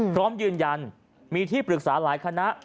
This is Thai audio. พร้อมยืนยันมีที่ปรึกษาหลายคณะ